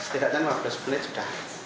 setidaknya lima belas menit sudah